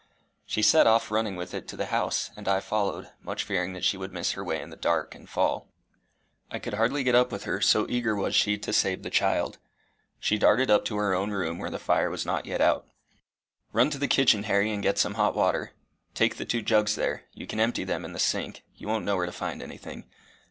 She set off running with it to the house, and I followed, much fearing she would miss her way in the dark, and fall. I could hardly get up with her, so eager was she to save the child. She darted up to her own room, where the fire was not yet out. "Run to the kitchen, Harry, and get some hot water. Take the two jugs there you can empty them in the sink: you won't know where to find anything.